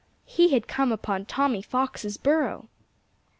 He had come upon Tommy Fox's burrow!